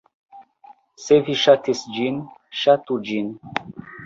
Se vi ŝatis ĝin, ŝatu ĝin!